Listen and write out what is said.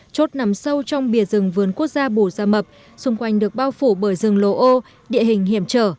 chốt nằm sâu trong bìa rừng vườn quốc gia bù gia mập xung quanh được bao phủ bởi rừng lô ô địa hình hiểm trở